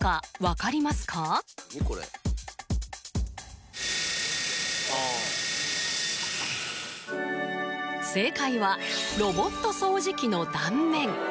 これ正解はロボット掃除機の断面